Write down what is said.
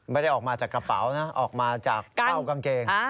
ไม่ได้ออกมาจากกระเป๋านะออกมาจากเป้ากางเกง